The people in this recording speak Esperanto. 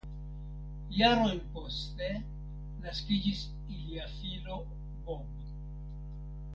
Jarojn poste naskiĝis ilia filo Bob.